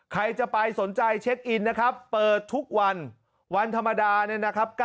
ใครจะไปสนใจเช็คอินนะครับเปิดทุกวันวันธรรมดาเนี่ยนะครับ